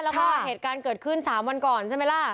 แล้วก็เหตุการณ์เกิดขึ้น๓วันก่อนใช่ไหมล่ะ